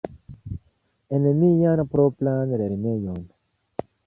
En mian propran lernejon.